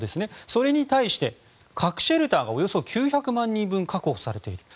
それに対して核シェルターがおよそ９００万人分確保されている。